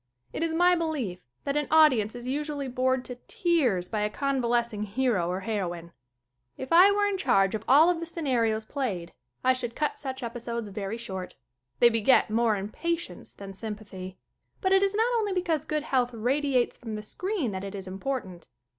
It is my belief that an audience is usually bored to tears by a convalescing hero or heroine. If I were in charge of all the 40 SCREEN ACTING scenarios played I should cut such episodes very short. They beget more impatience than sympathy. But it is not only because good health rad iates from the screen that it is important.